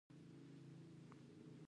بې مصرفه پیسې بانکونو ته سپارل کېږي